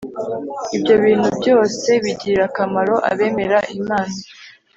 Ibyo bintu byose bigirira akamaro abemera Imana,